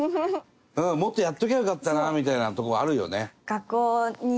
もっとやっときゃよかったなみたいなとこあるよね。